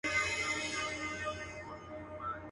په دې زور سو له لحده پاڅېدلای.